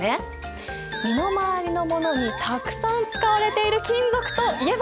身の回りのものにたくさん使われている金属といえば？